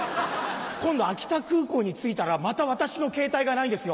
今度秋田空港に着いたらまた私のケータイがないんですよ。